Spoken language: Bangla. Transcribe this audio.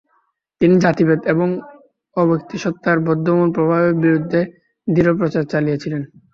তিনি জাতিভেদ এবং অ-ব্যক্তিসত্ত্বার বদ্ধমূল প্রভাবের বিরুদ্ধে দৃঢ় প্রচার চালিয়েছিলেন।